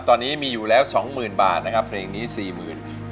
ตอนนี้มีอยู่แล้ว๒๐๐๐๐บาทนะครับเพลงนี้๔๐๐๐๐บาท